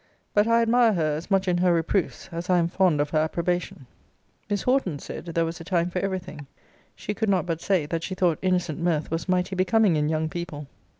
But I admire her as much in her reproofs, as I am fond of her approbation. Miss Horton said, there was a time for every thing. She could not but say, that she thought innocent mirth was mighty becoming in young people.